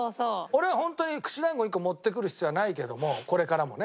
俺はホントに串団子１個持ってくる必要はないけどもこれからもね。